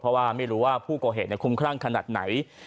เพราะว่าไม่รู้ว่าผู้ก่อเหตุคุ้มครั่งขนาดไหน